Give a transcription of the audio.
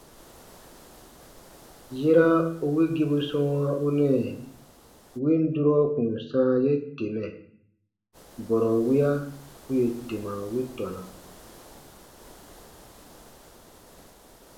Yera u wigibu sɔ̃ɔwa u nɛɛ win durɔ kùn sãa ye temɛ, bɔrɔ wiya u yè tema wi tɔna.